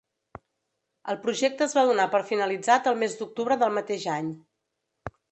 El projecte es va donar per finalitzat el mes d'octubre del mateix any.